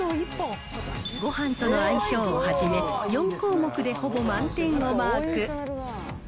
ごはんとの相性をはじめ、４項目でほぼ満点をマーク。